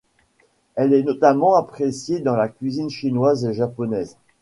Elle est notamment appréciée dans la cuisine chinoise et japonaise.